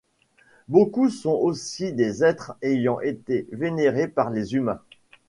Beaucoup sont aussi des êtres ayant été vénérés par les humains.